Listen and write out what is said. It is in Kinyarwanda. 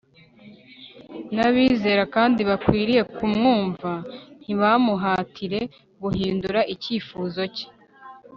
n'abizera kandi bakwiriye kumwumva, ntibamuhatire guhindura icyifuzo cye